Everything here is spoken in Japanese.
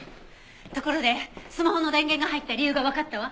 ところでスマホの電源が入った理由がわかったわ。